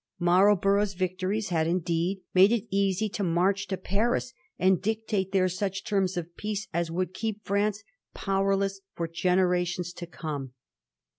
Marlborough's victories had, indeed, made it easy to march to Paris and dictate there such terms of peace as would keep France powerless for generations to come.